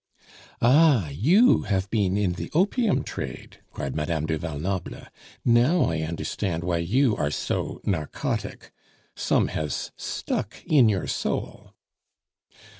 "Ah! you have been in the opium trade!" cried Madame du Val Noble. "Now I understand why you are so narcotic; some has stuck in your soul."